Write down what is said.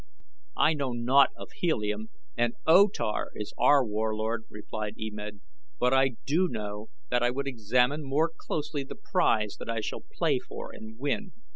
"I know naught of Helium and O Tar is our warlord," replied E Med; "but I do know that I would examine more closely the prize that I shall play for and win.